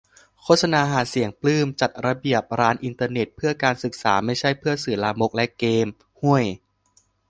โฆษณาหาเสียง-ปลื้ม :"จัดระเบียบ ร้านอินเทอร์เน็ต เพื่อการศึกษา ไม่ใช่เพื่อสื่อลามกและเกมส์" - ฮ่วย !